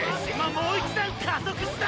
もう一段加速した！！